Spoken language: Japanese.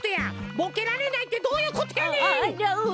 ボケられないってどういうことやねん！